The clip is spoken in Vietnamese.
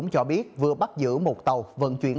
cho biết vừa bắt giữ một tàu vận chuyển